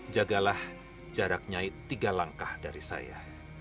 jagalah jarak nyai tiga langkah dari saya